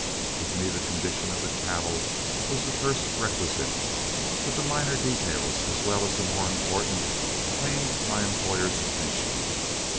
With me the condition of the cattle was the first requisite, but the minor details as well as the more important claimed my employer's attention.